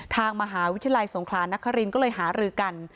ทางมหาวิทยาลัยสงครานนครินก็เลยหารือกัน